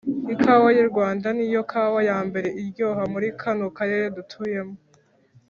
ikawa y'urwanda niyo kawa yambere iryoha muri kano karere dutuyemo